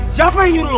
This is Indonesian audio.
siapa yang nyuruh lu